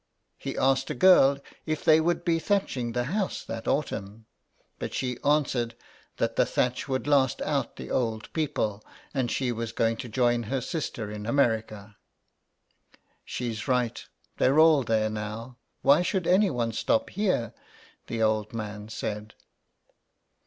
138 THE EXILE. He asked a girl if they would be thatching the house that autumn ; but she answered that the thatch would last out the old people, and she was going to join her sister in America. " She's right — they're all there now. Why should anyone stop here ?" the old man said.